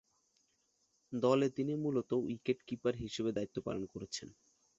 দলে তিনি মূলতঃ উইকেট-কিপার হিসেবে দায়িত্ব পালন করেছেন।